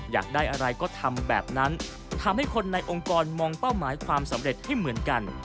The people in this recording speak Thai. อยากได้อะไรก็ทำแบบนั้นทำให้คนในองค์กรมองเป้าหมายความสำเร็จให้เหมือนกัน